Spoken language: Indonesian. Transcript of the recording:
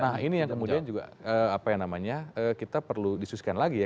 nah ini yang kemudian juga kita perlu disusulkan lagi ya